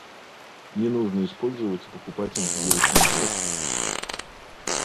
Не нужно использовать и покупать антивирусные средства